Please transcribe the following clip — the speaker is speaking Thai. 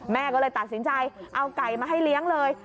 แม่ก็เลยตัดสินใจเอาไก่มาให้เลี้ยงเลย